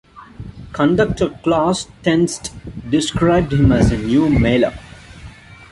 Conductor Klaus Tennstedt described him as a "new Mahler".